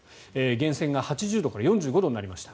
源泉が８０度から４５度になりました。